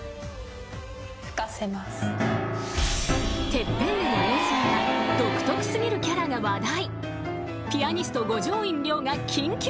［『ＴＥＰＰＥＮ』での演奏や独特過ぎるキャラが話題］